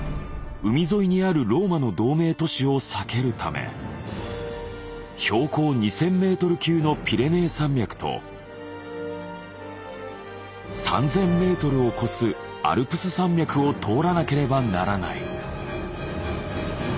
海沿いにあるローマの同盟都市を避けるため標高２，０００メートル級のピレネー山脈と３，０００メートルを超すアルプス山脈を通らなければならない。